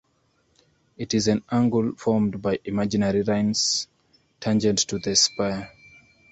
It is an angle formed by imaginary lines tangent to the spire.